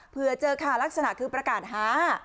เผื่อเจอค่ะลักษณะคือประกาศหา